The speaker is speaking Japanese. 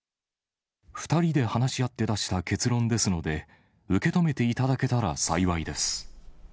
２人で話し合って出した結論ですので、受け止めていただけたら幸いです。